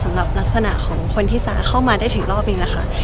สำหรับลักษณะของคนที่จะเข้ามาได้ถึงรอบนึงนะคะ